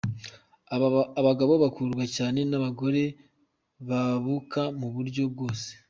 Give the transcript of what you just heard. Abagabo bakururwa cyane n'abagore babuka mu buryo bwose.